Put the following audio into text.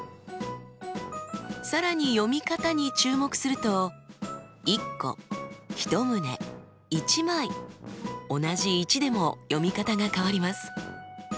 更に読み方に注目すると同じ「１」でも読み方が変わります。